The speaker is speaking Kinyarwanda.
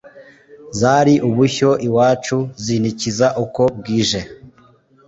zari ubushyo iwacu zinikiza uko bwije